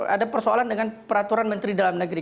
ada persoalan dengan peraturan menteri dalam negeri